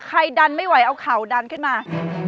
ดันไม่ไหวเอาเข่าดันขึ้นมา